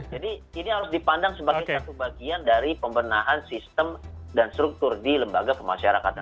jadi ini harus dipandang sebagai satu bagian dari pembenahan sistem dan struktur di lembaga kemasyarakatan